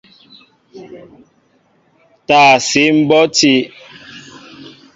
Taa síi mbɔti.